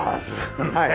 はい。